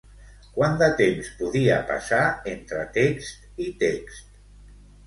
Quant de temps podia passar entre text i text?